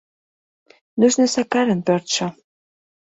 Нужна Сакарын пӧртшӧ.